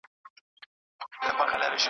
مشران باید رښتیني وي.